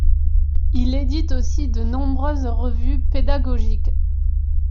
Il édite aussi de nombreuses revues pédagogiques.